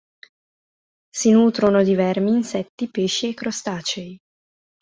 Si nutrono di vermi, insetti, pesci e crostacei.